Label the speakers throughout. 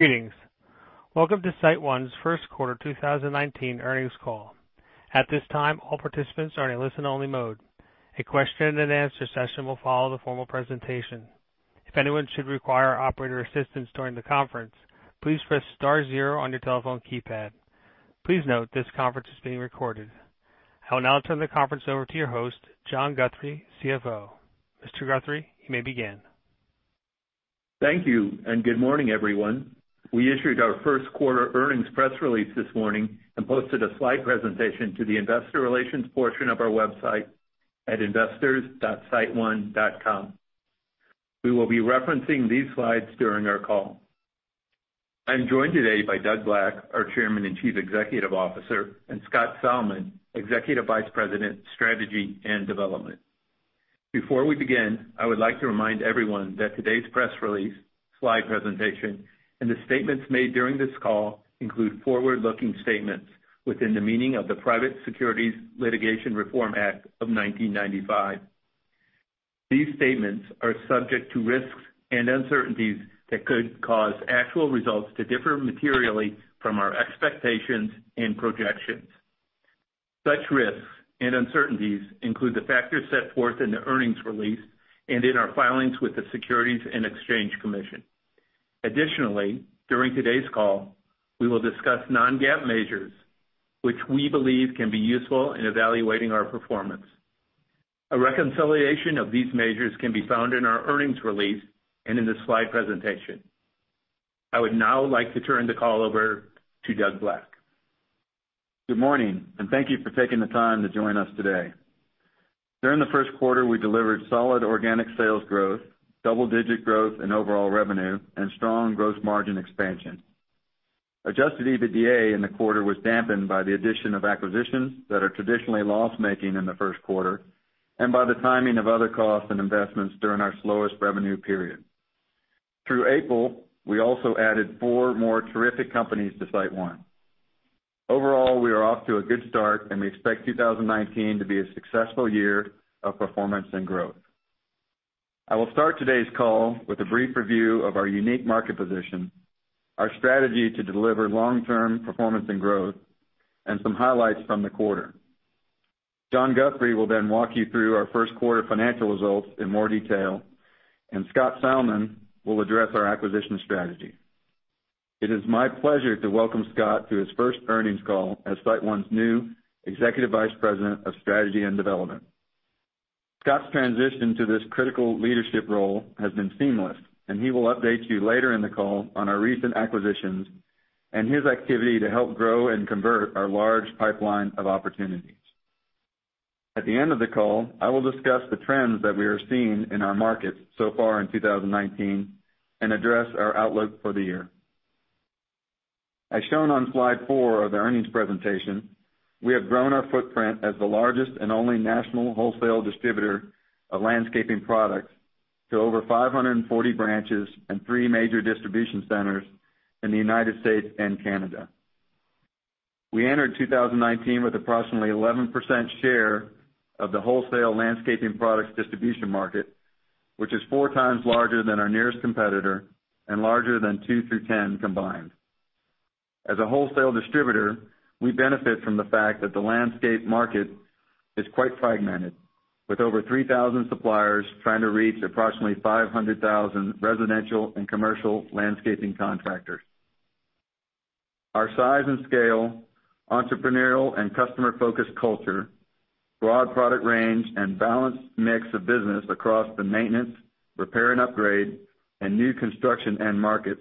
Speaker 1: Greetings. Welcome to SiteOne's first quarter 2019 earnings call. At this time, all participants are in a listen-only mode. A question and answer session will follow the formal presentation. If anyone should require operator assistance during the conference, please press star zero on your telephone keypad. Please note this conference is being recorded. I will now turn the conference over to your host, John Guthrie, CFO. Mr. Guthrie, you may begin.
Speaker 2: Thank you. Good morning, everyone. We issued our first quarter earnings press release this morning and posted a slide presentation to the investor relations portion of our website at investors.siteone.com. We will be referencing these slides during our call. I'm joined today by Doug Black, our Chairman and Chief Executive Officer, and Scott Salmon, Executive Vice President, Strategy and Development. Before we begin, I would like to remind everyone that today's press release, slide presentation, and the statements made during this call include forward-looking statements within the meaning of the Private Securities Litigation Reform Act of 1995. These statements are subject to risks and uncertainties that could cause actual results to differ materially from our expectations and projections. Such risks and uncertainties include the factors set forth in the earnings release and in our filings with the Securities and Exchange Commission. Additionally, during today's call, we will discuss non-GAAP measures which we believe can be useful in evaluating our performance. A reconciliation of these measures can be found in our earnings release and in the slide presentation. I would now like to turn the call over to Doug Black.
Speaker 3: Good morning. Thank you for taking the time to join us today. During the first quarter, we delivered solid organic sales growth, double-digit growth in overall revenue, and strong gross margin expansion. Adjusted EBITDA in the quarter was dampened by the addition of acquisitions that are traditionally loss-making in the first quarter and by the timing of other costs and investments during our slowest revenue period. Through April, we also added four more terrific companies to SiteOne. Overall, we are off to a good start, and we expect 2019 to be a successful year of performance and growth. I will start today's call with a brief review of our unique market position, our strategy to deliver long-term performance and growth, and some highlights from the quarter. John Guthrie will then walk you through our first quarter financial results in more detail, and Scott Salmon will address our acquisition strategy. It is my pleasure to welcome Scott to his first earnings call as SiteOne's new Executive Vice President of Strategy and Development. Scott's transition to this critical leadership role has been seamless, and he will update you later in the call on our recent acquisitions and his activity to help grow and convert our large pipeline of opportunities. At the end of the call, I will discuss the trends that we are seeing in our markets so far in 2019 and address our outlook for the year. As shown on slide four of the earnings presentation, we have grown our footprint as the largest and only national wholesale distributor of landscaping products to over 540 branches and three major distribution centers in the U.S. and Canada. We entered 2019 with approximately 11% share of the wholesale landscaping products distribution market, which is four times larger than our nearest competitor and larger than two through 10 combined. As a wholesale distributor, we benefit from the fact that the landscape market is quite fragmented, with over 3,000 suppliers trying to reach approximately 500,000 residential and commercial landscaping contractors. Our size and scale, entrepreneurial and customer-focused culture, broad product range, and balanced mix of business across the maintenance, repair and upgrade, and new construction end markets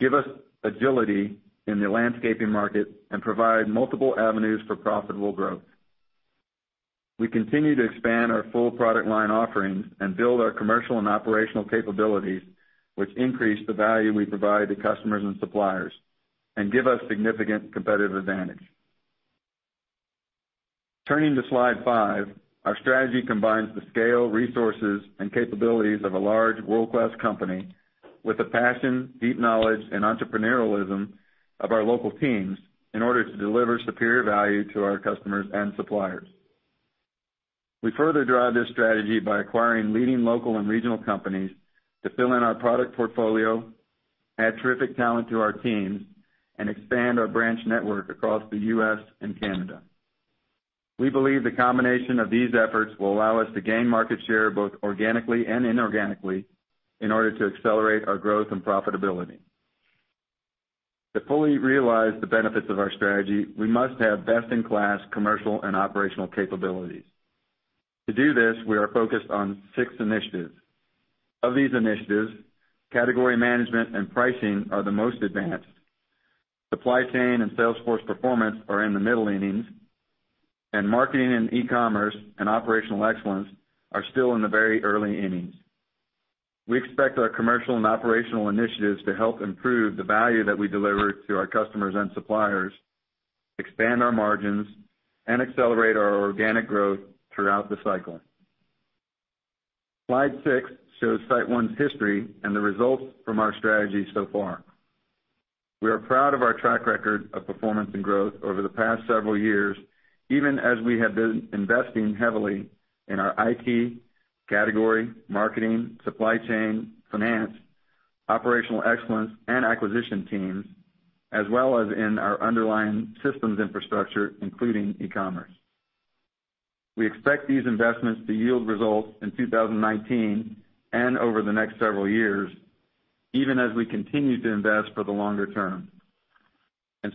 Speaker 3: give us agility in the landscaping market and provide multiple avenues for profitable growth. We continue to expand our full product line offerings and build our commercial and operational capabilities, which increase the value we provide to customers and suppliers and give us significant competitive advantage. Turning to slide five, our strategy combines the scale, resources, and capabilities of a large world-class company with the passion, deep knowledge, and entrepreneurialism of our local teams in order to deliver superior value to our customers and suppliers. We further drive this strategy by acquiring leading local and regional companies to fill in our product portfolio, add terrific talent to our teams, and expand our branch network across the U.S. and Canada. We believe the combination of these efforts will allow us to gain market share, both organically and inorganically, in order to accelerate our growth and profitability. To fully realize the benefits of our strategy, we must have best-in-class commercial and operational capabilities. To do this, we are focused on six initiatives. Of these initiatives, category management and pricing are the most advanced. Supply chain and sales force performance are in the middle innings. Marketing and e-commerce and operational excellence are still in the very early innings. We expect our commercial and operational initiatives to help improve the value that we deliver to our customers and suppliers, expand our margins, and accelerate our organic growth throughout the cycle. Slide six shows SiteOne's history and the results from our strategy so far. We are proud of our track record of performance and growth over the past several years, even as we have been investing heavily in our IT, category, marketing, supply chain, finance, operational excellence, and acquisition teams, as well as in our underlying systems infrastructure, including e-commerce. We expect these investments to yield results in 2019 and over the next several years, even as we continue to invest for the longer term.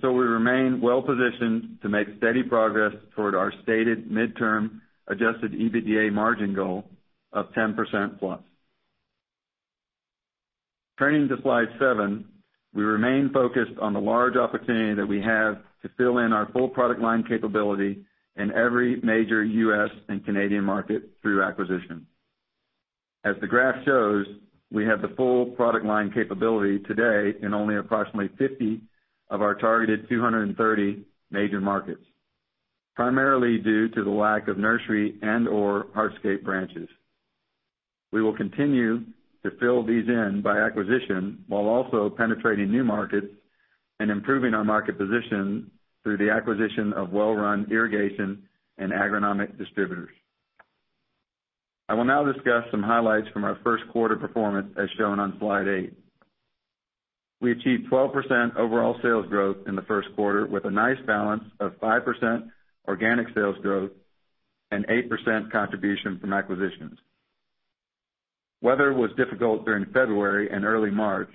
Speaker 3: We remain well-positioned to make steady progress toward our stated midterm Adjusted EBITDA margin goal of 10% plus. Turning to slide seven, we remain focused on the large opportunity that we have to fill in our full product line capability in every major U.S. and Canadian market through acquisition. As the graph shows, we have the full product line capability today in only approximately 50 of our targeted 230 major markets, primarily due to the lack of nursery and/or hardscape branches. We will continue to fill these in by acquisition while also penetrating new markets and improving our market position through the acquisition of well-run irrigation and agronomic distributors. I will now discuss some highlights from our first quarter performance as shown on slide eight. We achieved 12% overall sales growth in the first quarter with a nice balance of 5% organic sales growth and 8% contribution from acquisitions. Weather was difficult during February and early March,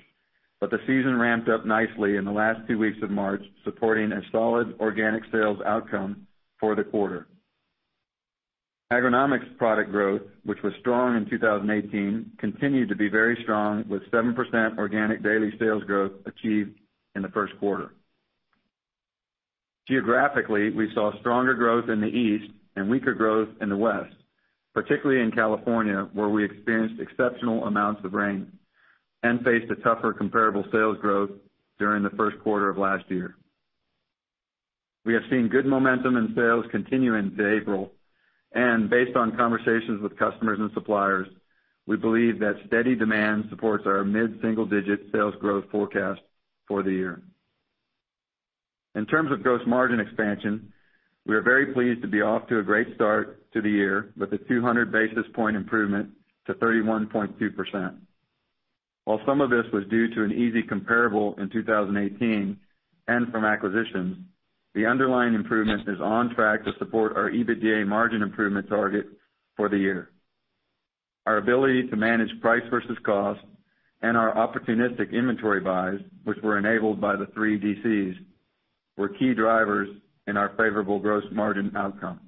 Speaker 3: but the season ramped up nicely in the last two weeks of March, supporting a solid organic sales outcome for the quarter. Agronomics product growth, which was strong in 2018, continued to be very strong with 7% organic daily sales growth achieved in the first quarter. Geographically, we saw stronger growth in the East and weaker growth in the West, particularly in California, where we experienced exceptional amounts of rain and faced a tougher comparable sales growth during the first quarter of last year. We have seen good momentum in sales continuing to April, and based on conversations with customers and suppliers, we believe that steady demand supports our mid-single digit sales growth forecast for the year. In terms of gross margin expansion, we are very pleased to be off to a great start to the year with a 200 basis point improvement to 31.2%. While some of this was due to an easy comparable in 2018 and from acquisitions, the underlying improvement is on track to support our EBITDA margin improvement target for the year. Our ability to manage price versus cost and our opportunistic inventory buys, which were enabled by the three DCs, were key drivers in our favorable gross margin outcome.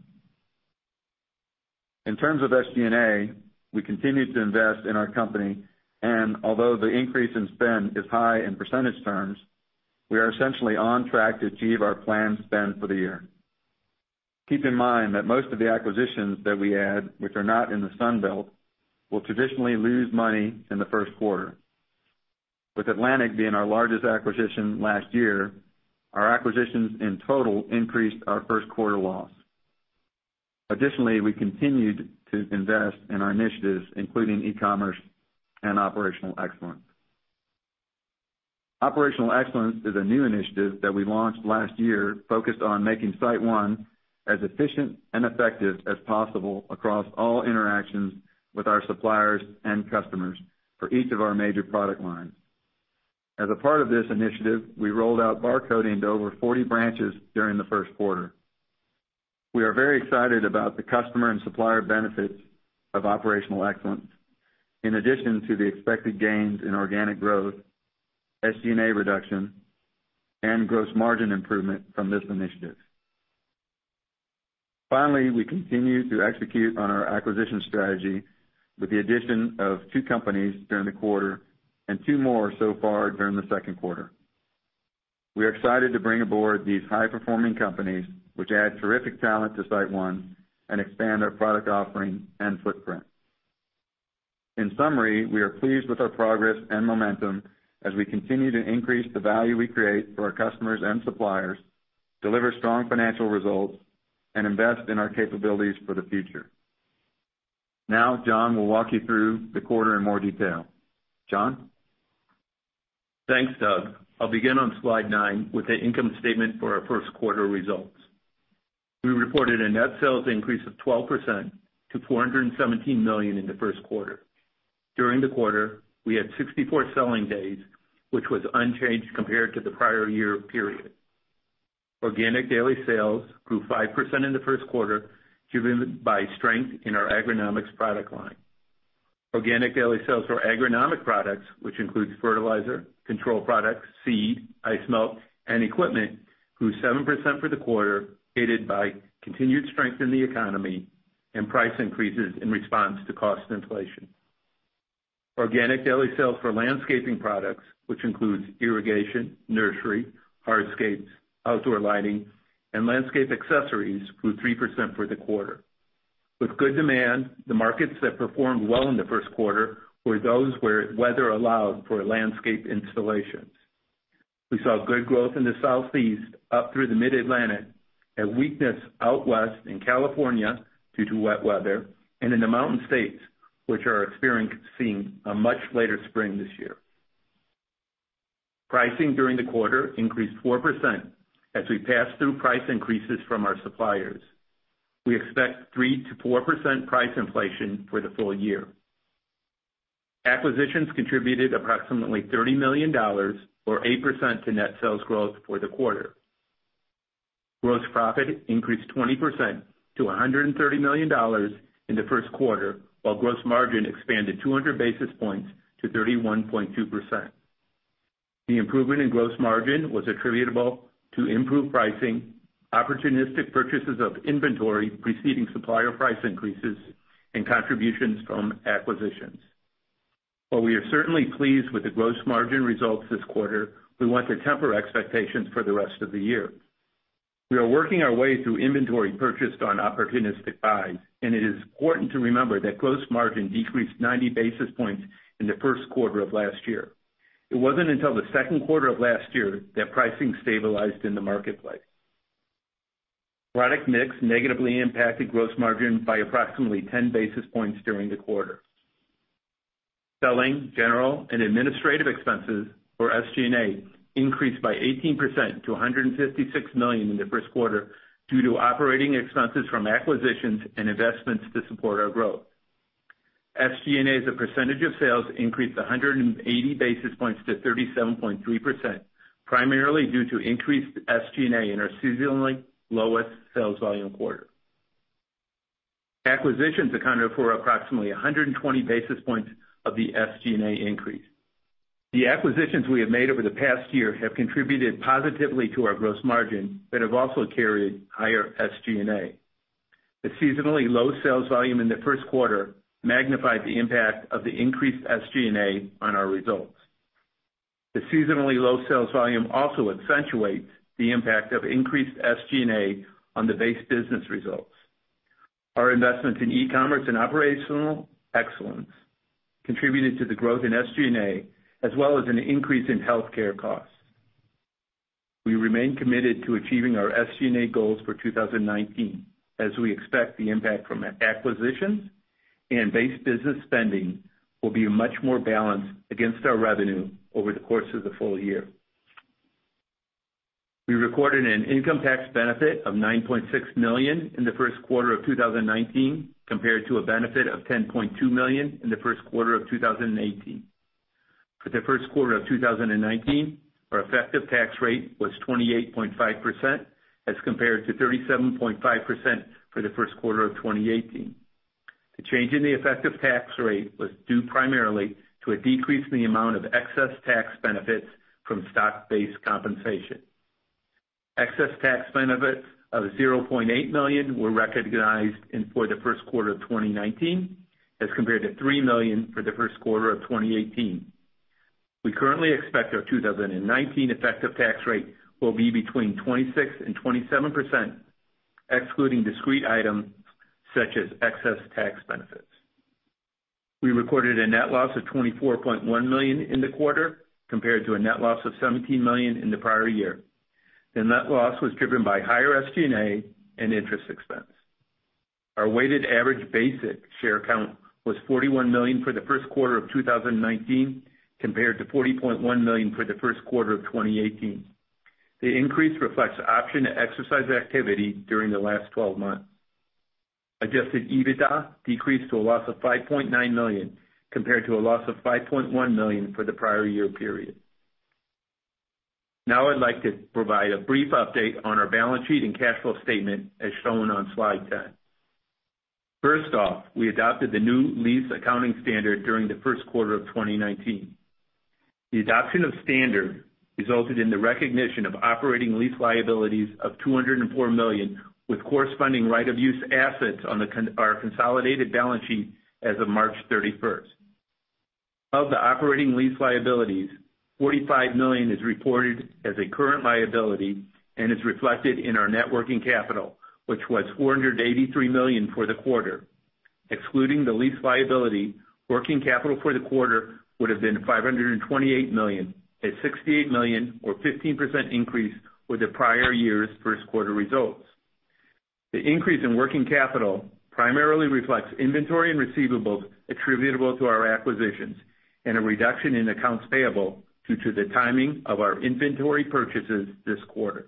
Speaker 3: In terms of SG&A, we continued to invest in our company, and although the increase in spend is high in percentage terms, we are essentially on track to achieve our planned spend for the year. Keep in mind that most of the acquisitions that we add, which are not in the Sun Belt, will traditionally lose money in the first quarter. With Atlantic being our largest acquisition last year, our acquisitions in total increased our first quarter loss. Additionally, we continued to invest in our initiatives, including e-commerce and operational excellence. Operational excellence is a new initiative that we launched last year, focused on making SiteOne as efficient and effective as possible across all interactions with our suppliers and customers for each of our major product lines. As a part of this initiative, we rolled out bar coding to over 40 branches during the first quarter. We are very excited about the customer and supplier benefits of operational excellence, in addition to the expected gains in organic growth, SG&A reduction, and gross margin improvement from this initiative. Finally, we continue to execute on our acquisition strategy with the addition of two companies during the quarter and two more so far during the second quarter. We are excited to bring aboard these high-performing companies, which add terrific talent to SiteOne and expand our product offering and footprint. In summary, we are pleased with our progress and momentum as we continue to increase the value we create for our customers and suppliers, deliver strong financial results, and invest in our capabilities for the future. Now, John will walk you through the quarter in more detail. John?
Speaker 2: Thanks, Doug. I'll begin on slide nine with the income statement for our first quarter results. We reported a net sales increase of 12% to $417 million in the first quarter. During the quarter, we had 64 selling days, which was unchanged compared to the prior year period. Organic daily sales grew 5% in the first quarter, driven by strength in our Agronomics product line. Organic daily sales for agronomic products, which includes fertilizer, control products, seed, ice melt, and equipment, grew 7% for the quarter, aided by continued strength in the economy and price increases in response to cost inflation. Organic daily sales for landscaping products, which includes irrigation, nursery, hardscapes, outdoor lighting, and landscape accessories, grew 3% for the quarter. With good demand, the markets that performed well in the first quarter were those where weather allowed for landscape installations. We saw good growth in the Southeast up through the mid-Atlantic, a weakness out West in California due to wet weather, and in the Mountain States, which are experiencing a much later spring this year. Pricing during the quarter increased 4% as we passed through price increases from our suppliers. We expect 3%-4% price inflation for the full year. Acquisitions contributed approximately $30 million, or 8%, to net sales growth for the quarter. Gross profit increased 20% to $130 million in the first quarter, while gross margin expanded 200 basis points to 31.2%. The improvement in gross margin was attributable to improved pricing, opportunistic purchases of inventory preceding supplier price increases, and contributions from acquisitions. While we are certainly pleased with the gross margin results this quarter, we want to temper expectations for the rest of the year. We are working our way through inventory purchased on opportunistic buys, and it is important to remember that gross margin decreased 90 basis points in the first quarter of last year. It wasn't until the second quarter of last year that pricing stabilized in the marketplace. Product mix negatively impacted gross margin by approximately 10 basis points during the quarter. Selling, general, and administrative expenses, or SG&A, increased by 18% to $156 million in the first quarter due to operating expenses from acquisitions and investments to support our growth. SG&A as a percentage of sales increased 180 basis points to 37.3%, primarily due to increased SG&A in our seasonally lowest sales volume quarter. Acquisitions accounted for approximately 120 basis points of the SG&A increase. The acquisitions we have made over the past year have contributed positively to our gross margin but have also carried higher SG&A. The seasonally low sales volume in the first quarter magnified the impact of the increased SG&A on our results. The seasonally low sales volume also accentuates the impact of increased SG&A on the base business results. Our investments in e-commerce and operational excellence contributed to the growth in SG&A, as well as an increase in healthcare costs. We remain committed to achieving our SG&A goals for 2019, as we expect the impact from acquisitions and base business spending will be much more balanced against our revenue over the course of the full year. We recorded an income tax benefit of $9.6 million in the first quarter of 2019, compared to a benefit of $10.2 million in the first quarter of 2018. For the first quarter of 2019, our effective tax rate was 28.5% as compared to 37.5% for the first quarter of 2018. The change in the effective tax rate was due primarily to a decrease in the amount of excess tax benefits from stock-based compensation. Excess tax benefits of $0.8 million were recognized for the first quarter of 2019 as compared to $3 million for the first quarter of 2018. We currently expect our 2019 effective tax rate will be between 26% and 27%, excluding discrete items such as excess tax benefits. We recorded a net loss of $24.1 million in the quarter, compared to a net loss of $17 million in the prior year. The net loss was driven by higher SG&A and interest expense. Our weighted average basic share count was 41 million for the first quarter of 2019, compared to 40.1 million for the first quarter of 2018. The increase reflects option exercise activity during the last 12 months. Adjusted EBITDA decreased to a loss of $5.9 million, compared to a loss of $5.1 million for the prior year period. Now I'd like to provide a brief update on our balance sheet and cash flow statement as shown on slide 10. First off, we adopted the new lease accounting standard during the first quarter of 2019. The adoption of standard resulted in the recognition of operating lease liabilities of $204 million with corresponding right-of-use assets on our consolidated balance sheet as of March 31st. Of the operating lease liabilities, $45 million is reported as a current liability and is reflected in our net working capital, which was $483 million for the quarter. Excluding the lease liability, working capital for the quarter would have been $528 million, a $68 million or 15% increase with the prior year's first quarter results. The increase in working capital primarily reflects inventory and receivables attributable to our acquisitions and a reduction in accounts payable due to the timing of our inventory purchases this quarter.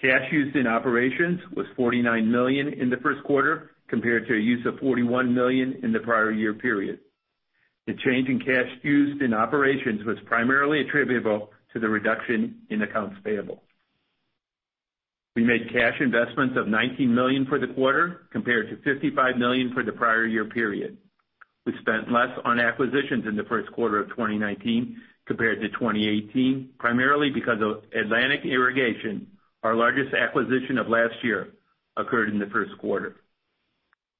Speaker 2: Cash used in operations was $49 million in the first quarter, compared to a use of $41 million in the prior year period. The change in cash used in operations was primarily attributable to the reduction in accounts payable. We made cash investments of $19 million for the quarter, compared to $55 million for the prior year period. We spent less on acquisitions in the first quarter of 2019 compared to 2018, primarily because of Atlantic Irrigation, our largest acquisition of last year, occurred in the first quarter.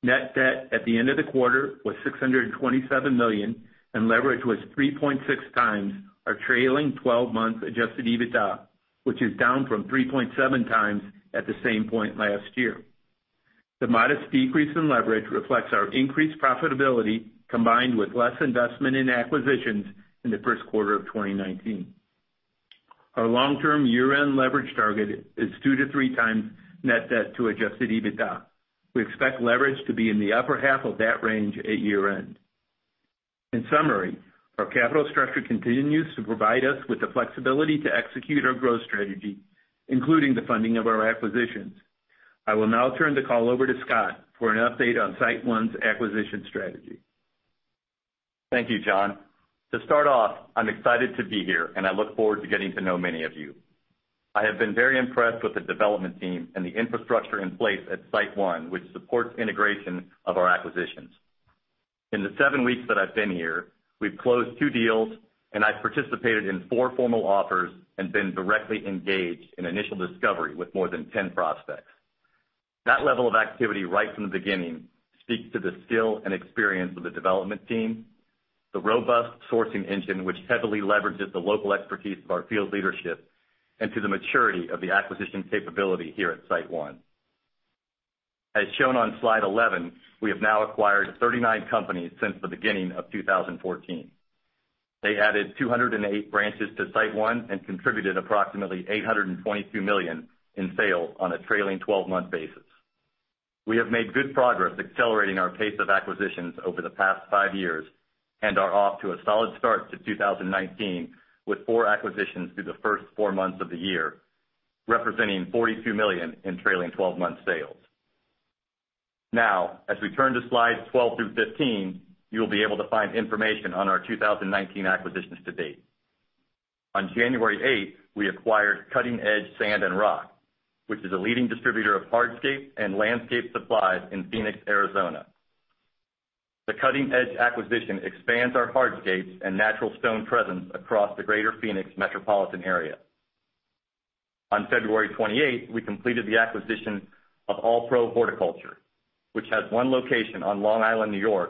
Speaker 2: Net debt at the end of the quarter was $627 million, and leverage was 3.6 times our trailing 12-month Adjusted EBITDA, which is down from 3.7 times at the same point last year. The modest decrease in leverage reflects our increased profitability combined with less investment in acquisitions in the first quarter of 2019.
Speaker 3: Our long-term year-end leverage target is two to three times net debt to Adjusted EBITDA. We expect leverage to be in the upper half of that range at year-end. In summary, our capital structure continues to provide us with the flexibility to execute our growth strategy, including the funding of our acquisitions. I will now turn the call over to Scott for an update on SiteOne's acquisition strategy.
Speaker 4: Thank you, John. To start off, I'm excited to be here, and I look forward to getting to know many of you. I have been very impressed with the development team and the infrastructure in place at SiteOne, which supports integration of our acquisitions. In the seven weeks that I've been here, we've closed two deals, and I've participated in four formal offers and been directly engaged in initial discovery with more than 10 prospects. That level of activity right from the beginning speaks to the skill and experience of the development team, the robust sourcing engine, which heavily leverages the local expertise of our field leadership, and to the maturity of the acquisition capability here at SiteOne. As shown on slide 11, we have now acquired 39 companies since the beginning of 2014. They added 208 branches to SiteOne and contributed approximately $822 million in sales on a trailing 12-month basis. We have made good progress accelerating our pace of acquisitions over the past five years and are off to a solid start to 2019 with four acquisitions through the first four months of the year, representing $42 million in trailing 12-month sales. Now, as we turn to slides 12 through 15, you'll be able to find information on our 2019 acquisitions to date. On January 8th, we acquired Cutting Edge Sand & Rock, which is a leading distributor of hardscapes and landscape supplies in Phoenix, Arizona. The Cutting Edge acquisition expands our hardscapes and natural stone presence across the greater Phoenix metropolitan area. On February 28th, we completed the acquisition of All Pro Horticulture, which has one location on Long Island, N.Y.,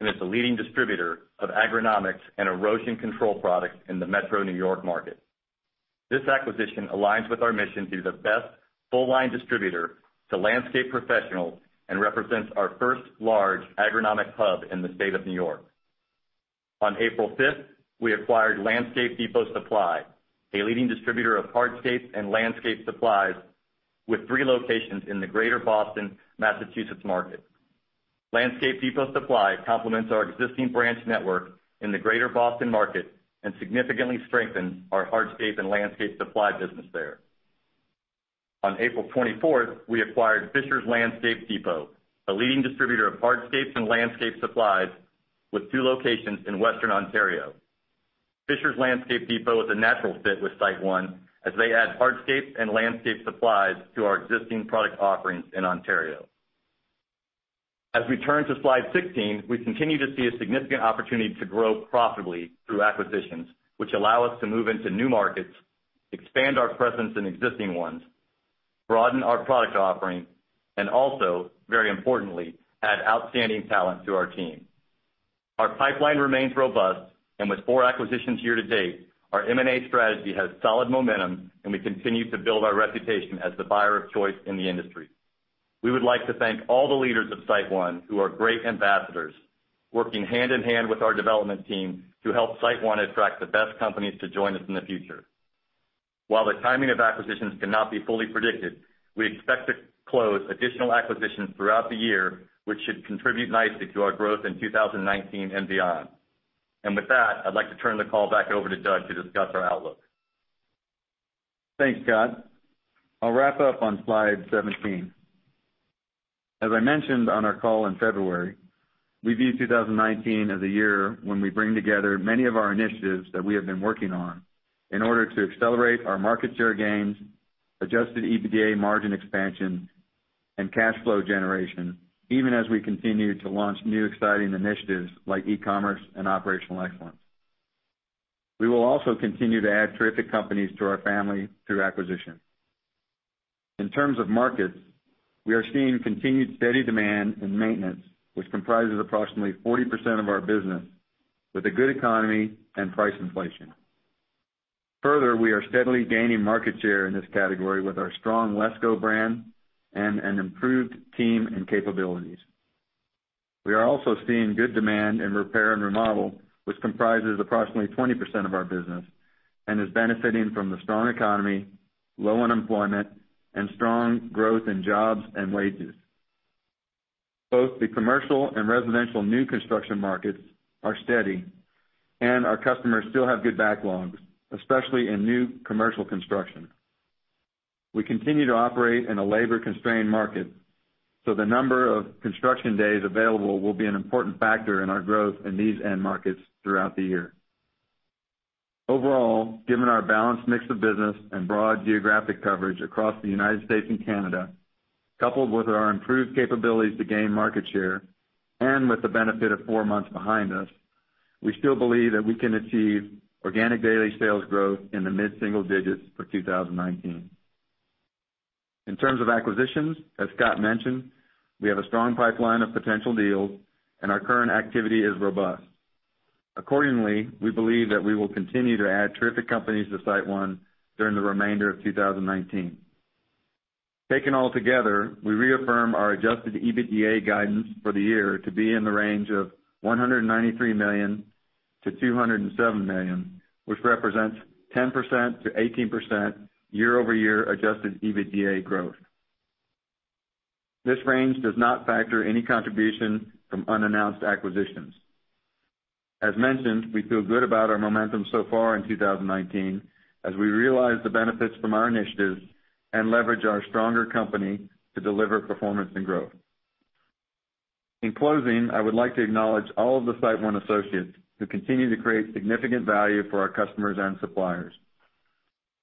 Speaker 4: and is a leading distributor of agronomics and erosion control products in the metro New York market. This acquisition aligns with our mission to be the best full-line distributor to landscape professionals and represents our first large agronomic hub in the state of New York. On April 5th, we acquired Landscape Depot Supply, a leading distributor of hardscapes and landscape supplies with three locations in the greater Boston, Massachusetts, market. Landscape Depot Supply complements our existing branch network in the greater Boston market and significantly strengthens our hardscapes and landscape supply business there. On April 24th, we acquired Fisher's Landscape Depot, a leading distributor of hardscapes and landscape supplies with two locations in Western Ontario. Fisher's Landscape Depot is a natural fit with SiteOne as they add hardscapes and landscape supplies to our existing product offerings in Ontario. As we turn to slide 16, we continue to see a significant opportunity to grow profitably through acquisitions, which allow us to move into new markets, expand our presence in existing ones, broaden our product offerings, and also, very importantly, add outstanding talent to our team. Our pipeline remains robust, and with four acquisitions year to date, our M&A strategy has solid momentum, and we continue to build our reputation as the buyer of choice in the industry. We would like to thank all the leaders of SiteOne who are great ambassadors, working hand-in-hand with our development team to help SiteOne attract the best companies to join us in the future. While the timing of acquisitions cannot be fully predicted, we expect to close additional acquisitions throughout the year, which should contribute nicely to our growth in 2019 and beyond. With that, I'd like to turn the call back over to Doug to discuss our outlook.
Speaker 3: Thanks, Scott. I'll wrap up on slide 17. As I mentioned on our call in February, we view 2019 as a year when we bring together many of our initiatives that we have been working on in order to accelerate our market share gains, Adjusted EBITDA margin expansion, and cash flow generation, even as we continue to launch new exciting initiatives like e-commerce and operational excellence. We will also continue to add terrific companies to our family through acquisition. In terms of markets, we are seeing continued steady demand in maintenance, which comprises approximately 40% of our business with a good economy and price inflation. Further, we are steadily gaining market share in this category with our strong LESCO brand and an improved team and capabilities. We are also seeing good demand in repair and remodel, which comprises approximately 20% of our business and is benefiting from the strong economy, low unemployment, and strong growth in jobs and wages. Both the commercial and residential new construction markets are steady, and our customers still have good backlogs, especially in new commercial construction. We continue to operate in a labor-constrained market, the number of construction days available will be an important factor in our growth in these end markets throughout the year. Overall, given our balanced mix of business and broad geographic coverage across the U.S. and Canada, coupled with our improved capabilities to gain market share and with the benefit of four months behind us, we still believe that we can achieve organic daily sales growth in the mid-single digits for 2019. In terms of acquisitions, as Scott mentioned, we have a strong pipeline of potential deals, our current activity is robust. Accordingly, we believe that we will continue to add terrific companies to SiteOne during the remainder of 2019. Taken all together, we reaffirm our Adjusted EBITDA guidance for the year to be in the range of $193 million-$207 million, which represents 10%-18% year-over-year Adjusted EBITDA growth. This range does not factor any contribution from unannounced acquisitions. As mentioned, we feel good about our momentum so far in 2019, as we realize the benefits from our initiatives and leverage our stronger company to deliver performance and growth. In closing, I would like to acknowledge all of the SiteOne associates who continue to create significant value for our customers and suppliers.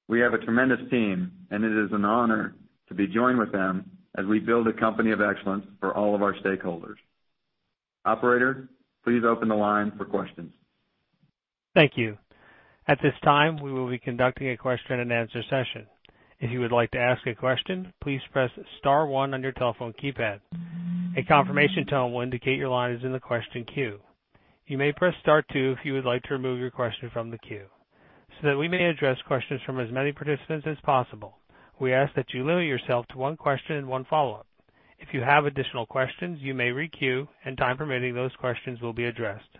Speaker 3: We have a tremendous team, and it is an honor to be joined with them as we build a company of excellence for all of our stakeholders. Operator, please open the line for questions.
Speaker 1: Thank you. At this time, we will be conducting a question and answer session. If you would like to ask a question, please press *1 on your telephone keypad. A confirmation tone will indicate your line is in the question queue. You may press *2 if you would like to remove your question from the queue. That we may address questions from as many participants as possible, we ask that you limit yourself to one question and one follow-up. If you have additional questions, you may re-queue, and time permitting, those questions will be addressed.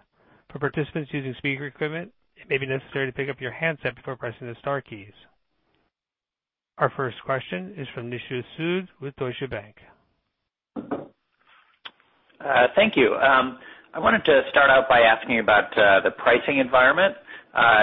Speaker 1: For participants using speaker equipment, it may be necessary to pick up your handset before pressing the star keys. Our first question is from Nishu Sood with Deutsche Bank.
Speaker 5: Thank you. I wanted to start out by asking about the pricing environment.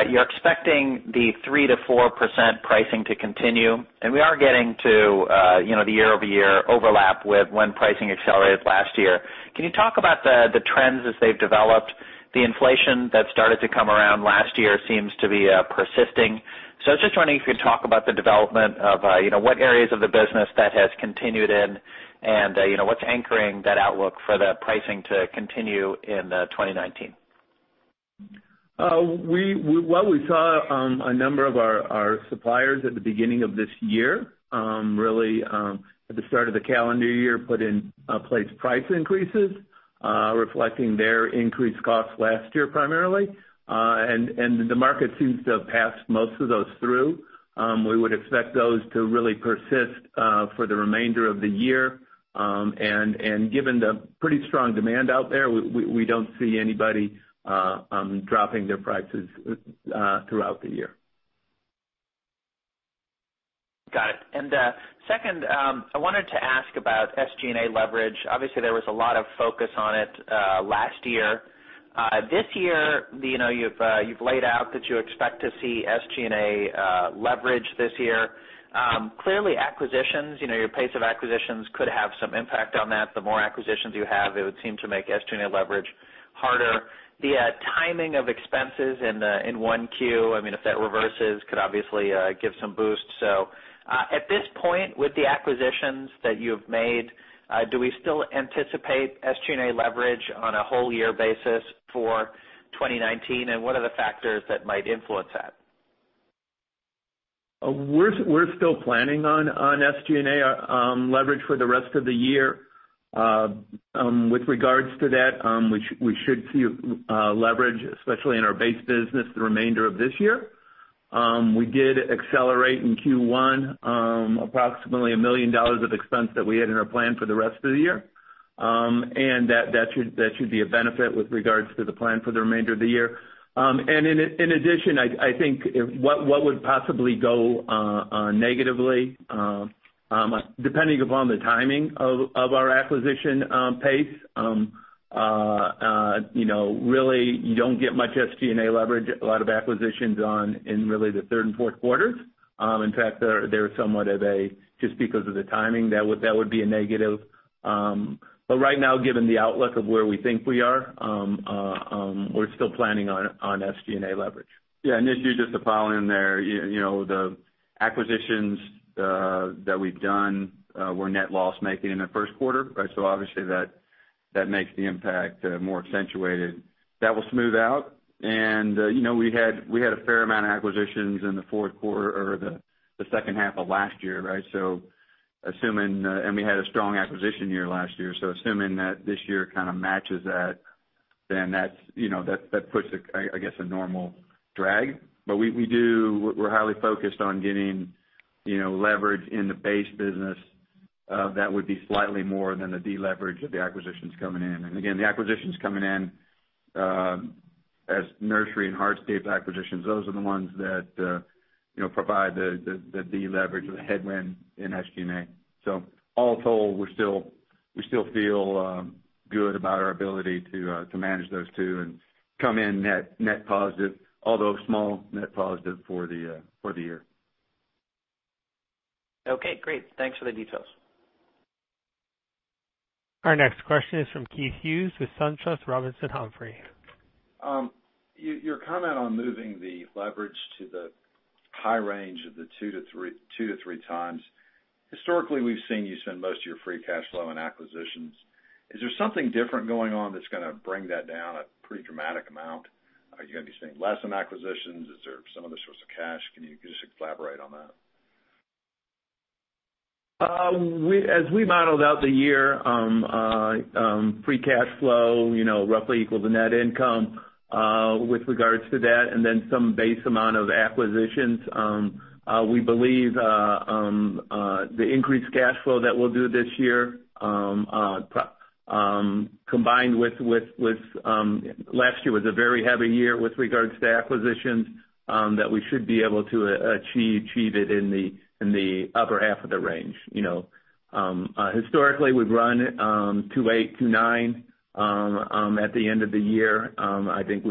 Speaker 5: You're expecting the 3%-4% pricing to continue, and we are getting to the year-over-year overlap with when pricing accelerated last year. Can you talk about the trends as they've developed? The inflation that started to come around last year seems to be persisting. I was just wondering if you could talk about the development of what areas of the business that has continued in and what's anchoring that outlook for the pricing to continue in 2019.
Speaker 3: Well, we saw a number of our suppliers at the beginning of this year, really at the start of the calendar year, put in place price increases, reflecting their increased costs last year, primarily. The market seems to have passed most of those through. We would expect those to really persist for the remainder of the year. Given the pretty strong demand out there, we don't see anybody dropping their prices throughout the year.
Speaker 5: Got it. Second, I wanted to ask about SG&A leverage. Obviously, there was a lot of focus on it last year. This year, you've laid out that you expect to see SG&A leverage this year. Clearly, acquisitions, your pace of acquisitions could have some impact on that. The more acquisitions you have, it would seem to make SG&A leverage harder. The timing of expenses in one Q, if that reverses, could obviously give some boost. At this point, with the acquisitions that you've made, do we still anticipate SG&A leverage on a whole year basis for 2019, and what are the factors that might influence that?
Speaker 3: We're still planning on SG&A leverage for the rest of the year. With regards to that, we should see leverage, especially in our base business, the remainder of this year. We did accelerate in Q1 approximately $1 million of expense that we had in our plan for the rest of the year. That should be a benefit with regards to the plan for the remainder of the year. In addition, I think what would possibly go negatively, depending upon the timing of our acquisition pace, really, you don't get much SG&A leverage, a lot of acquisitions done in really the third and fourth quarters. In fact, they're somewhat of a, just because of the timing, that would be a negative. Right now, given the outlook of where we think we are, we're still planning on SG&A leverage. Yeah, Nishu, just to follow in there. The acquisitions that we've done were net loss-making in the first quarter, right? Obviously that makes the impact more accentuated. That will smooth out. We had a fair amount of acquisitions in the second half of last year, right? We had a strong acquisition year last year. Assuming that this year kind of matches that puts, I guess, a normal drag. We're highly focused on getting leverage in the base business that would be slightly more than the deleverage of the acquisitions coming in. Again, the acquisitions coming in as nursery and hardscape acquisitions, those are the ones that provide the deleverage or the headwind in SG&A. All told, we still feel good about our ability to manage those two and come in net positive, although small net positive for the year.
Speaker 5: Okay, great. Thanks for the details.
Speaker 1: Our next question is from Keith Hughes with SunTrust Robinson Humphrey.
Speaker 6: Your comment on moving the leverage to the high range of the two to three times. Historically, we've seen you spend most of your free cash flow on acquisitions. Is there something different going on that's going to bring that down a pretty dramatic amount? Are you going to be seeing less in acquisitions? Is there some other source of cash? Can you just elaborate on that?
Speaker 2: As we modeled out the year, free cash flow roughly equal to net income with regards to that, and then some base amount of acquisitions. We believe the increased cash flow that we'll do this year, combined with last year was a very heavy year with regards to acquisitions, that we should be able to achieve it in the upper half of the range. Historically, we've run 2.8, 2.9 at the end of the year. I think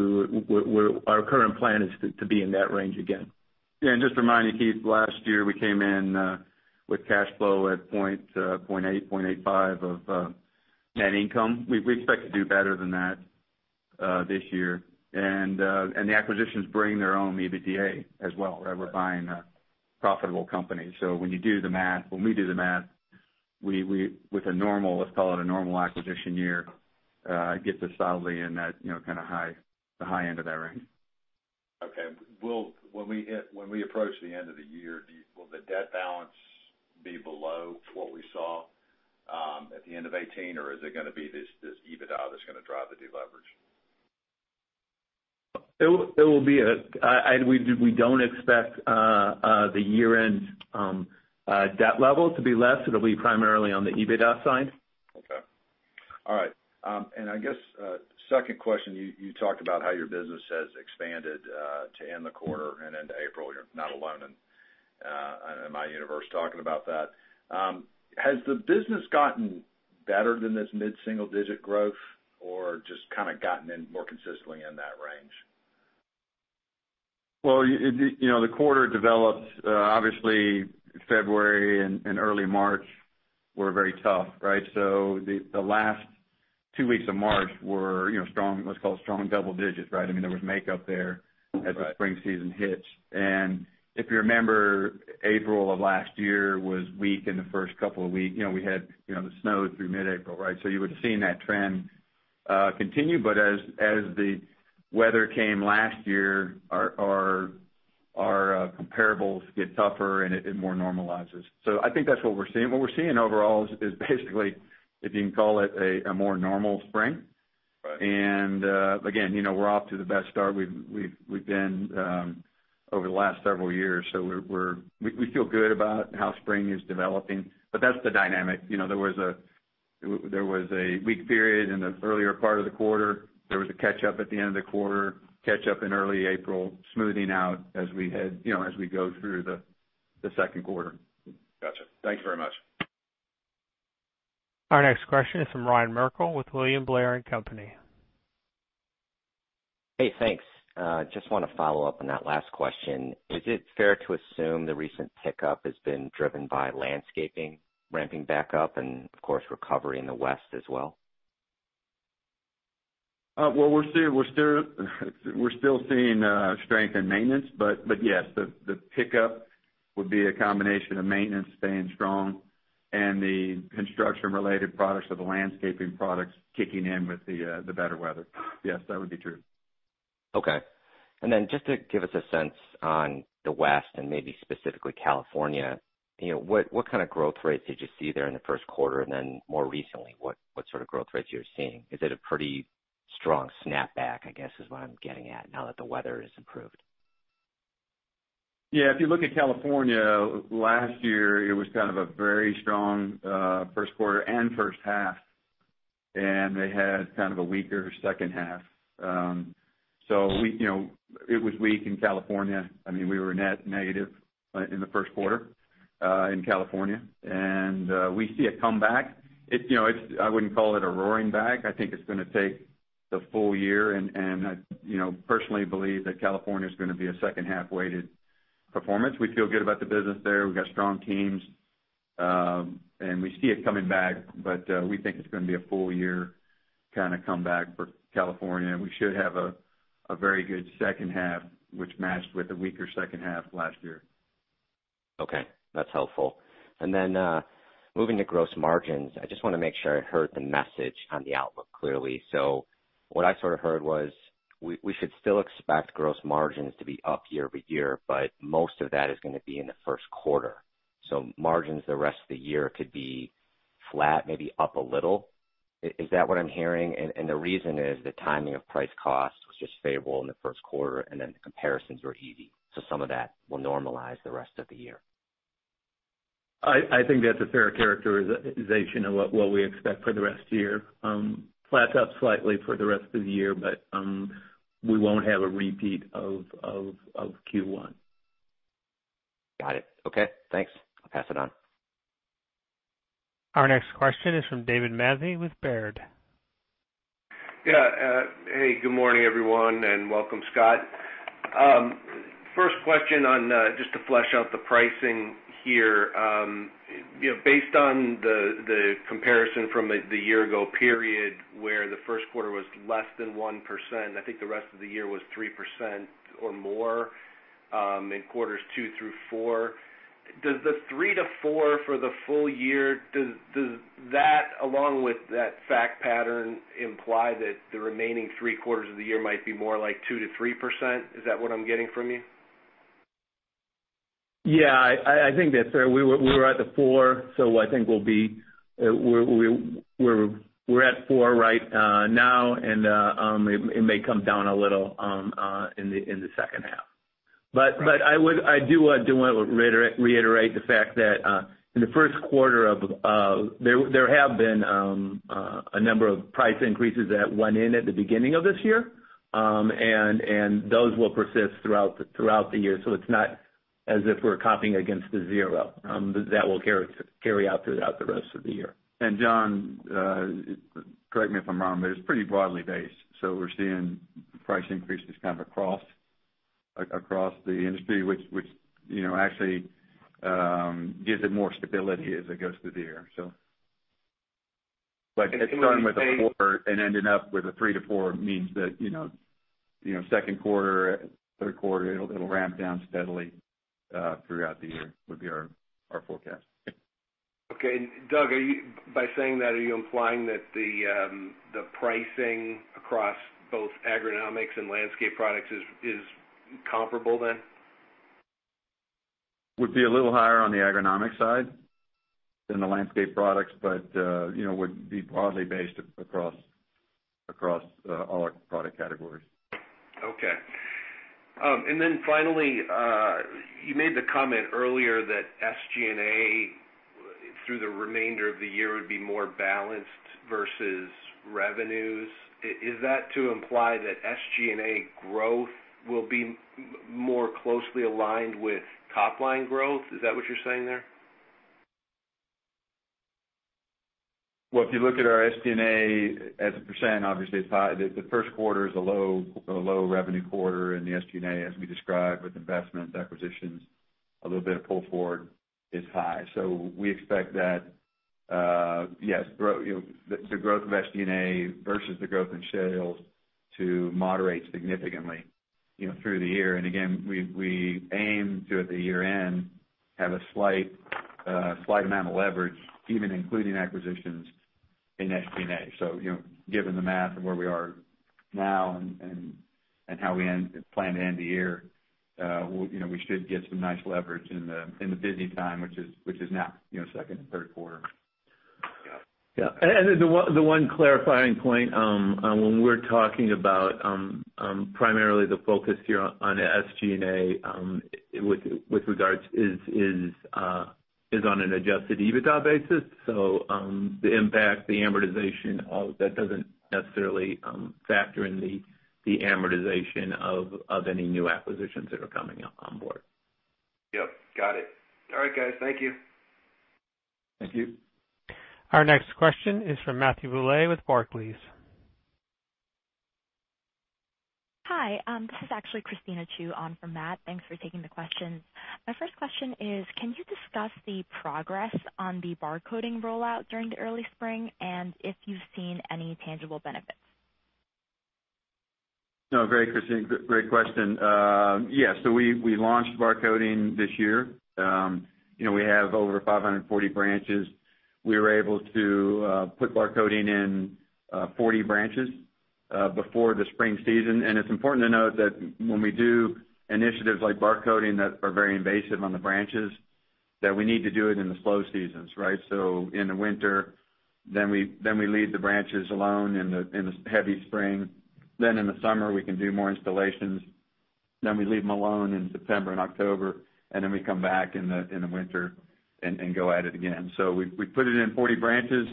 Speaker 2: our current plan is to be in that range again.
Speaker 3: Just reminding, Keith, last year, we came in with cash flow at 0.8, 0.85 of net income. We expect to do better than that this year. The acquisitions bring their own EBITDA as well. We're buying a profitable company. When we do the math, with a normal, let's call it a normal acquisition year, gets us solidly in that kind of the high end of that range.
Speaker 6: Okay. When we approach the end of the year, will the debt balance be below what we saw at the end of 2018? Is it going to be this EBITDA that's going to drive the deleverage?
Speaker 3: We don't expect the year-end debt level to be less. It'll be primarily on the EBITDA side.
Speaker 6: Okay. All right. I guess, second question, you talked about how your business has expanded to end the quarter and end of April. You're not alone in my universe talking about that. Has the business gotten better than this mid-single digit growth or just kind of gotten in more consistently in that range?
Speaker 3: Well, the quarter developed, obviously February and early March were very tough, right? The last two weeks of March were what's called strong double digits. There was makeup there as the spring season hits. If you remember, April of last year was weak in the first couple of weeks. We had the snow through mid-April. You would've seen that trend continue. As the weather came last year, our comparables get tougher and it more normalizes. I think that's what we're seeing. What we're seeing overall is basically, if you can call it a more normal spring.
Speaker 6: Right.
Speaker 3: Again, we're off to the best start we've been over the last several years. We feel good about how spring is developing, but that's the dynamic. There was a weak period in the earlier part of the quarter. There was a catch-up at the end of the quarter, catch-up in early April, smoothing out as we go through the second quarter.
Speaker 6: Got you. Thanks very much.
Speaker 1: Our next question is from Ryan Merkel with William Blair & Company.
Speaker 7: Hey, thanks. Just want to follow up on that last question. Is it fair to assume the recent pickup has been driven by landscaping ramping back up, and of course, recovery in the West as well?
Speaker 3: Well, we're still seeing strength in maintenance. Yes, the pickup would be a combination of maintenance staying strong and the construction related products or the landscaping products kicking in with the better weather. Yes, that would be true.
Speaker 7: Okay. Then just to give us a sense on the West and maybe specifically California, what kind of growth rates did you see there in the first quarter? And then more recently, what sort of growth rates you're seeing? Is it a pretty strong snap back, I guess, is what I'm getting at now that the weather has improved?
Speaker 3: If you look at California, last year, it was kind of a very strong first quarter and first half, and they had kind of a weaker second half. It was weak in California. We were net negative in the first quarter in California. We see a comeback. I wouldn't call it a roaring back. I think it's going to take the full year, and I personally believe that California's going to be a second half weighted performance. We feel good about the business there. We've got strong teams. We see it coming back, we think it's going to be a full year kind of comeback for California. We should have a very good second half, which matched with a weaker second half last year.
Speaker 7: That's helpful. Moving to gross margins, I just want to make sure I heard the message on the outlook clearly. What I sort of heard was we should still expect gross margins to be up year-over-year, most of that is going to be in the first quarter. Margins the rest of the year could be flat, maybe up a little. Is that what I'm hearing? The reason is the timing of price costs was just favorable in the first quarter, the comparisons were easy. Some of that will normalize the rest of the year.
Speaker 3: I think that's a fair characterization of what we expect for the rest of the year. Flat to up slightly for the rest of the year, we won't have a repeat of Q1.
Speaker 7: Got it. Thanks. I'll pass it on.
Speaker 1: Our next question is from David Manthey with Baird.
Speaker 8: Yeah. Hey, good morning, everyone, and welcome, Scott. First question, just to flesh out the pricing here. Based on the comparison from the year ago period where the first quarter was less than 1%, I think the rest of the year was 3% or more, in quarters two through four. Does the three to four for the full year, does that along with that fact pattern imply that the remaining three quarters of the year might be more like 2% to 3%? Is that what I'm getting from you?
Speaker 2: Yeah, I think that's fair. We were at the four, so I think we're at four right now, and it may come down a little in the second half. I do want to reiterate the fact that in the first quarter, there have been a number of price increases that went in at the beginning of this year. Those will persist throughout the year, so it's not as if we're copying against the zero. That will carry out throughout the rest of the year.
Speaker 3: John, correct me if I'm wrong, but it's pretty broadly based. We're seeing price increases kind of across the industry, which actually gives it more stability as it goes through the year. It's starting with a four and ending up with a three to four means that second quarter, third quarter, it'll ramp down steadily throughout the year, would be our forecast.
Speaker 8: Okay. Doug, by saying that, are you implying that the pricing across both Agronomics and landscaping products is comparable then?
Speaker 3: Would be a little higher on the agronomic side than the landscaping products, would be broadly based across all our product categories.
Speaker 8: Okay. Finally, you made the comment earlier that SG&A, through the remainder of the year, would be more balanced versus revenues. Is that to imply that SG&A growth will be more closely aligned with top-line growth? Is that what you're saying there?
Speaker 3: Well, if you look at our SG&A as a %, obviously, the first quarter is a low revenue quarter in the SG&A, as we described, with investments, acquisitions, a little bit of pull forward is high. We expect that the growth of SG&A versus the growth in sales to moderate significantly through the year. Again, we aim to, at the year-end, have a slight amount of leverage, even including acquisitions in SG&A. Given the math of where we are now and how we plan to end the year we should get some nice leverage in the busy time, which is now, second and third quarter.
Speaker 2: The one clarifying point when we're talking about primarily the focus here on the SG&A with regards is on an Adjusted EBITDA basis. The impact, the amortization of that doesn't necessarily factor in the amortization of any new acquisitions that are coming on board.
Speaker 8: Yep. Got it. All right, guys. Thank you.
Speaker 3: Thank you.
Speaker 1: Our next question is from Matthew Bouley with Barclays.
Speaker 9: Hi, this is actually Christina Chiu on for Matt. Thanks for taking the question. My first question is, can you discuss the progress on the barcoding rollout during the early spring and if you've seen any tangible benefits?
Speaker 3: Great, Christina. Great question. We launched barcoding this year. We have over 540 branches. We were able to put barcoding in 40 branches before the spring season. It's important to note that when we do initiatives like barcoding that are very invasive on the branches, that we need to do it in the slow seasons, right? In the winter, we leave the branches alone in the heavy spring. In the summer, we can do more installations. We leave them alone in September and October, and we come back in the winter and go at it again. We put it in 40 branches.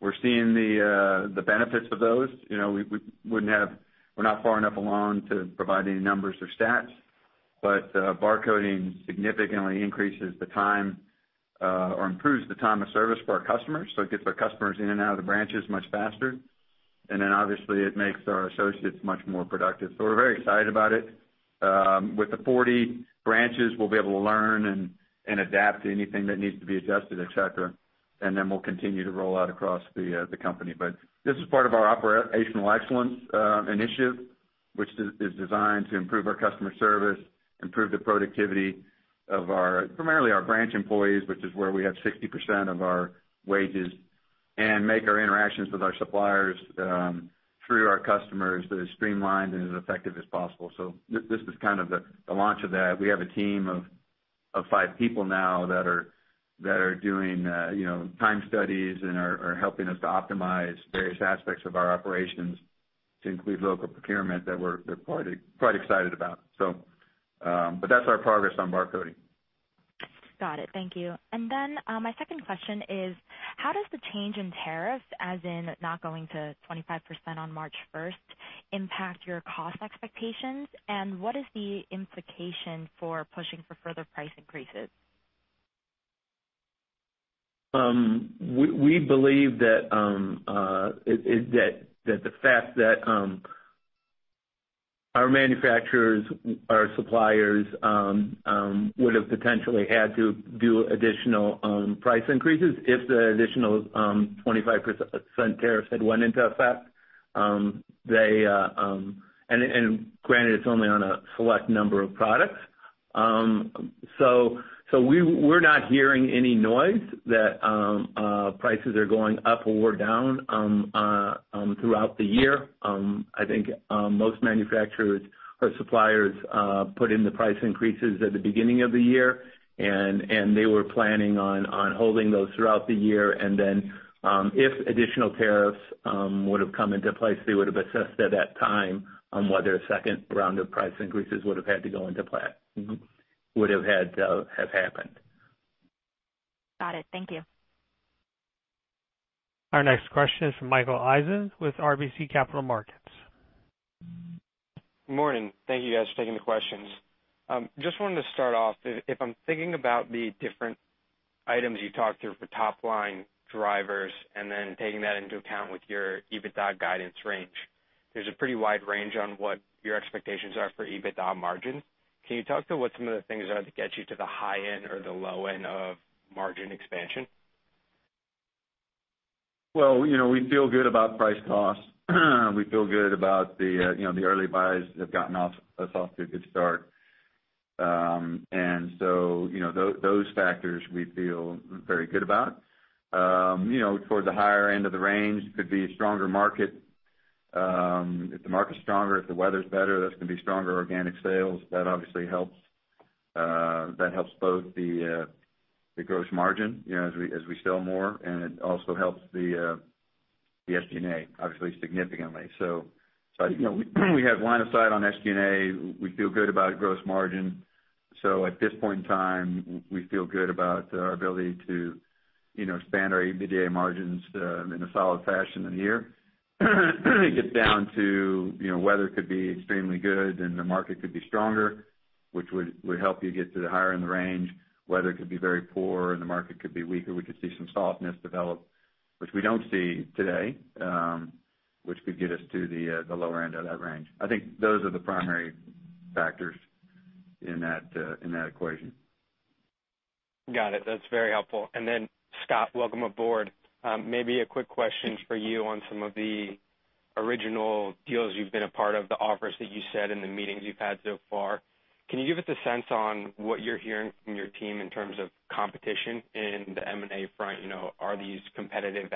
Speaker 3: We're seeing the benefits of those. We're not far enough along to provide any numbers or stats, but barcoding significantly increases the time or improves the time of service for our customers. It gets our customers in and out of the branches much faster. Obviously it makes our associates much more productive. We're very excited about it. With the 40 branches, we'll be able to learn and adapt to anything that needs to be adjusted, et cetera. We'll continue to roll out across the company. This is part of our Operational Excellence Initiative, which is designed to improve our customer service, improve the productivity of primarily our branch employees, which is where we have 60% of our wages, and make our interactions with our suppliers through our customers as streamlined and as effective as possible. This is kind of the launch of that. We have a team of five people now that are doing time studies and are helping us to optimize various aspects of our operations to include local procurement that we're quite excited about. That's our progress on barcoding.
Speaker 9: My second question is, how does the change in tariff, as in not going to 25% on March 1st, impact your cost expectations? What is the implication for pushing for further price increases?
Speaker 3: We believe that the fact that our manufacturers, our suppliers would have potentially had to do additional price increases if the additional 25% tariff had went into effect. Granted, it's only on a select number of products. So we're not hearing any noise that prices are going up or down throughout the year. I think most manufacturers or suppliers put in the price increases at the beginning of the year. They were planning on holding those throughout the year. Then, if additional tariffs would've come into place, they would've assessed at that time on whether a second round of price increases would've had to have happened.
Speaker 9: Got it. Thank you.
Speaker 1: Our next question is from Michael Eisen with RBC Capital Markets.
Speaker 10: Good morning. Thank you guys for taking the questions. Just wanted to start off, if I'm thinking about the different items you talked through for top-line drivers and then taking that into account with your EBITDA guidance range, there's a pretty wide range on what your expectations are for EBITDA margin. Can you talk to what some of the things are that get you to the high end or the low end of margin expansion?
Speaker 3: Well, we feel good about price costs. We feel good about the early buys that have gotten us off to a good start. Those factors we feel very good about. Towards the higher end of the range, could be a stronger market. If the market's stronger, if the weather's better, that's going to be stronger organic sales. That obviously helps. That helps both the gross margin as we sell more, and it also helps the SG&A, obviously, significantly. We have line of sight on SG&A. We feel good about gross margin. At this point in time, we feel good about our ability to expand our EBITDA margins in a solid fashion in the year. It gets down to weather could be extremely good and the market could be stronger, which would help you get to the higher end range. Weather could be very poor and the market could be weaker. We could see some softness develop, which we don't see today, which could get us to the lower end of that range. I think those are the primary factors in that equation.
Speaker 10: Got it. That's very helpful. Scott, welcome aboard. Maybe a quick question for you on some of the original deals you've been a part of, the offers that you said and the meetings you've had so far. Can you give us a sense on what you're hearing from your team in terms of competition in the M&A front? Are these competitive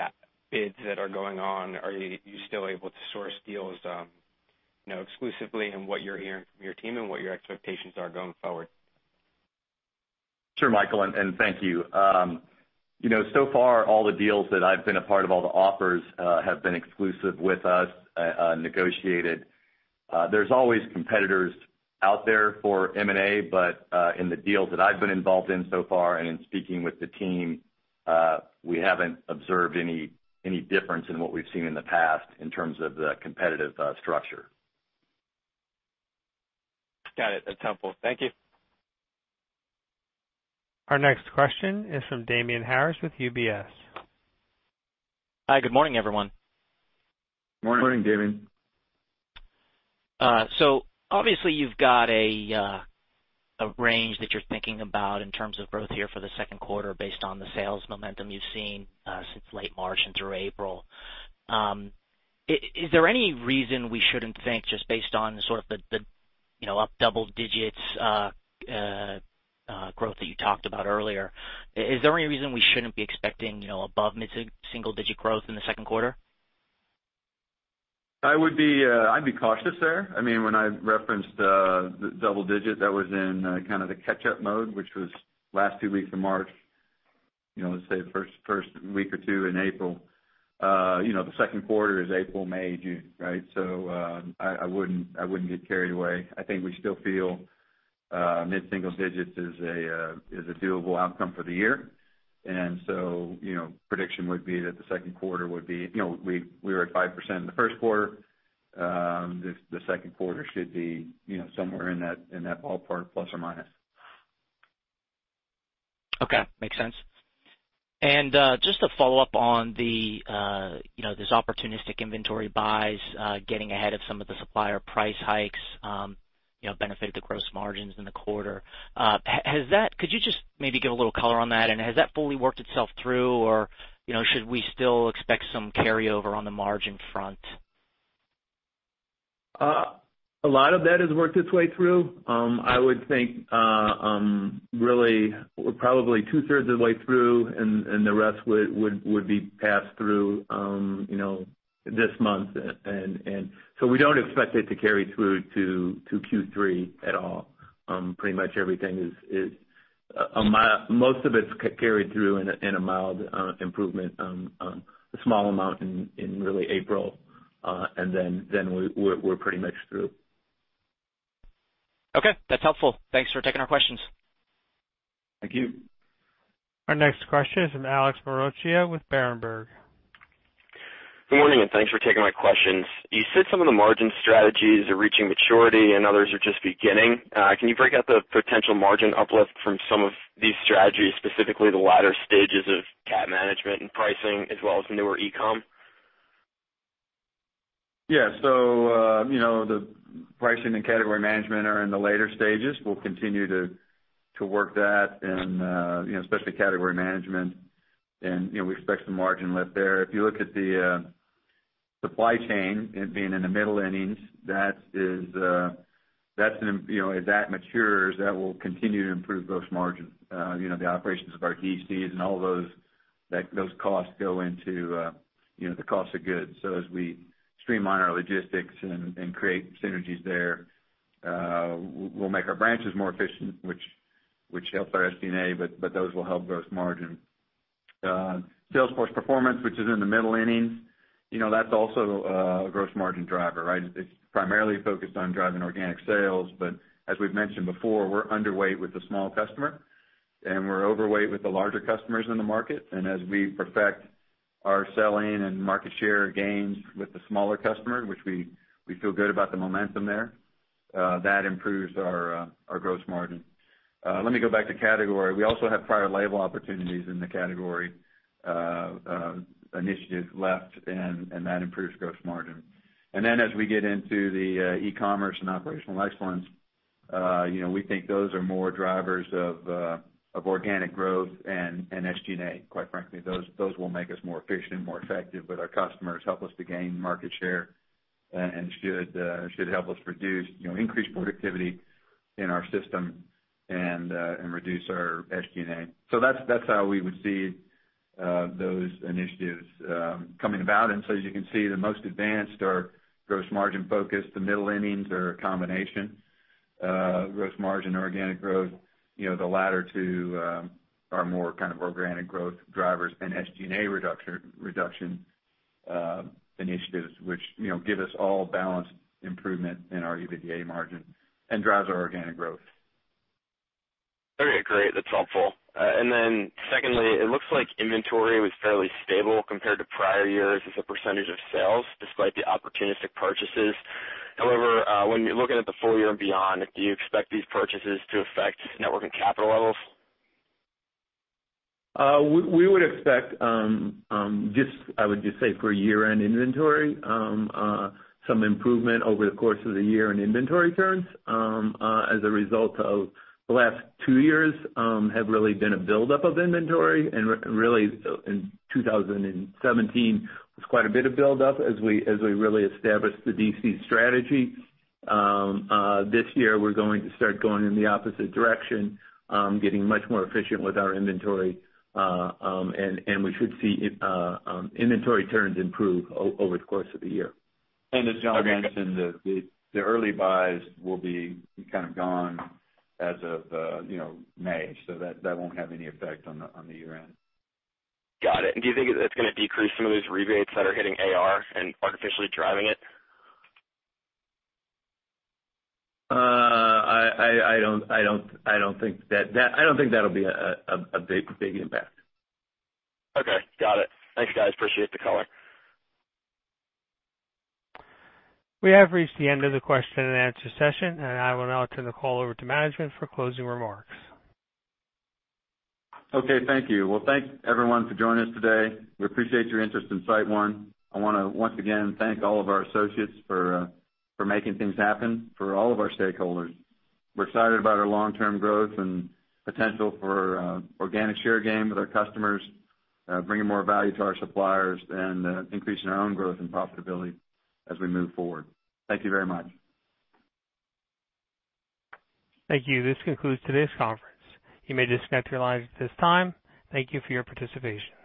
Speaker 10: bids that are going on? Are you still able to source deals exclusively, and what you're hearing from your team and what your expectations are going forward?
Speaker 4: Sure, Michael, thank you. So far, all the deals that I've been a part of, all the offers have been exclusive with us, negotiated. There's always competitors out there for M&A, but in the deals that I've been involved in so far and in speaking with the team, we haven't observed any difference in what we've seen in the past in terms of the competitive structure.
Speaker 10: Got it. That's helpful. Thank you.
Speaker 1: Our next question is from Damian Karas with UBS.
Speaker 11: Hi. Good morning, everyone.
Speaker 3: Morning, Damian.
Speaker 11: Obviously, you've got a range that you're thinking about in terms of growth here for the second quarter based on the sales momentum you've seen since late March and through April. Is there any reason we shouldn't think just based on sort of the up double digits growth that you talked about earlier? Is there any reason we shouldn't be expecting above mid-single digit growth in the second quarter?
Speaker 3: I'd be cautious there. When I referenced the double digit, that was in kind of the catch-up mode, which was last 2 weeks of March, let's say the first week or 2 in April. The second quarter is April, May, June. I wouldn't get carried away. I think we still feel mid-single digits is a doable outcome for the year. Prediction would be that the second quarter would be. We were at 5% in the first quarter. The second quarter should be somewhere in that ballpark, plus or minus.
Speaker 11: Okay. Makes sense. Just to follow up on this opportunistic inventory buys getting ahead of some of the supplier price hikes benefited the gross margins in the quarter. Could you just maybe give a little color on that, and has that fully worked itself through or should we still expect some carryover on the margin front?
Speaker 3: A lot of that has worked its way through. I would think really we're probably two-thirds of the way through and the rest would be passed through this month. We don't expect it to carry through to Q3 at all. Pretty much everything most of it's carried through in a mild improvement, a small amount in really April, and then we're pretty much through.
Speaker 11: Okay. That's helpful. Thanks for taking our questions.
Speaker 3: Thank you.
Speaker 1: Our next question is from Alex Maroccia with Berenberg.
Speaker 12: Good morning, and thanks for taking my questions. You said some of the margin strategies are reaching maturity and others are just beginning. Can you break out the potential margin uplift from some of these strategies, specifically the latter stages of category management and pricing as well as newer e-com?
Speaker 3: Yeah. The pricing and category management are in the later stages. We'll continue to work that and especially category management, and we expect some margin lift there. If you look at the supply chain being in the middle innings, as that matures, that will continue to improve gross margin. The operations of our DCs and all those costs go into the cost of goods. As we streamline our logistics and create synergies there, we'll make our branches more efficient, which helps our SG&A, but those will help gross margin. Salesforce performance, which is in the middle innings, that's also a gross margin driver, right? It's primarily focused on driving organic sales. As we've mentioned before, we're underweight with the small customer and we're overweight with the larger customers in the market. As we perfect our selling and market share gains with the smaller customer, which we feel good about the momentum there, that improves our gross margin. Let me go back to category. We also have private label opportunities in the category initiatives left, and that improves gross margin. As we get into the e-commerce and operational excellence, we think those are more drivers of organic growth and SG&A, quite frankly. Those will make us more efficient and more effective with our customers, help us to gain market share and should help us increase productivity in our system and reduce our SG&A. That's how we would see those initiatives coming about. As you can see, the most advanced are gross margin focused. The middle innings are a combination, gross margin, organic growth. The latter two are more kind of organic growth drivers and SG&A reduction initiatives, which give us all balanced improvement in our EBITDA margin and drives our organic growth.
Speaker 12: Okay, great. That's helpful. Secondly, it looks like inventory was fairly stable compared to prior years as a percentage of sales, despite the opportunistic purchases. However, when you're looking at the full year and beyond, do you expect these purchases to affect net working capital levels?
Speaker 2: We would expect, I would just say for year-end inventory, some improvement over the course of the year in inventory turns as a result of the last two years have really been a buildup of inventory. In 2017, was quite a bit of buildup as we really established the DC strategy. This year, we're going to start going in the opposite direction, getting much more efficient with our inventory. We should see inventory turns improve over the course of the year.
Speaker 3: As John mentioned, the early buys will be kind of gone as of May. That won't have any effect on the year-end.
Speaker 12: Got it. Do you think it's going to decrease some of those rebates that are hitting AR and artificially driving it?
Speaker 2: I don't think that'll be a big impact.
Speaker 12: Okay. Got it. Thanks, guys. Appreciate the color.
Speaker 1: We have reached the end of the question and answer session. I will now turn the call over to management for closing remarks.
Speaker 3: Okay, thank you. Thanks everyone for joining us today. We appreciate your interest in SiteOne. I want to once again thank all of our associates for making things happen for all of our stakeholders. We're excited about our long-term growth and potential for organic share gain with our customers, bringing more value to our suppliers, and increasing our own growth and profitability as we move forward. Thank you very much.
Speaker 1: Thank you. This concludes today's conference. You may disconnect your lines at this time. Thank you for your participation.